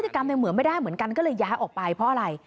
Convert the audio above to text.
กรรมเหมือนไม่ได้เหมือนกันก็เลยย้ายออกไปเพราะอะไร